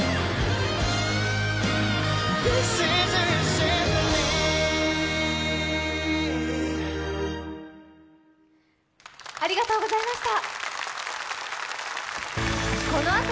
更にありがとうございました。